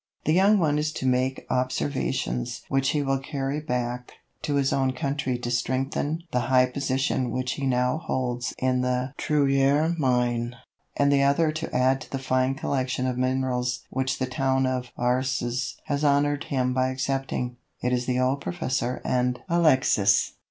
The young one is to make observations which he will carry back to his own country to strengthen the high position which he now holds in the Truyère mine, and the other to add to the fine collection of minerals which the town of Varses has honored him by accepting. It is the old professor and Alexix.